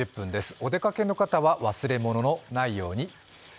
お出かけの方は忘れ物のないように。